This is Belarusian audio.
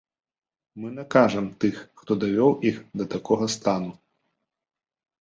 Мы накажам тых, хто давёў іх да такога стану.